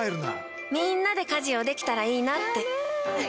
みんなで家事をできたらいいなって。